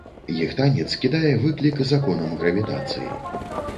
Іх танец кідае выклік законам гравітацыі.